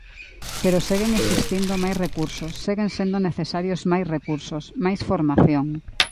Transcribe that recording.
Pero seguen existindo máis recursos, seguen sendo necesarios máis recursos, máis formación.